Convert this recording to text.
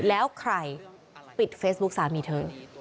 แล้วใครปิดเฟซบุ๊คสามีเธอ